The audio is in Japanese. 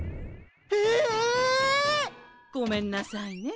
えっ！ごめんなさいね。